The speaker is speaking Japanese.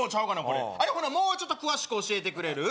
これあれほなもうちょっと詳しく教えてくれる？